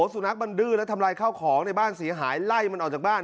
สุนัขมันดื้อแล้วทำลายข้าวของในบ้านเสียหายไล่มันออกจากบ้าน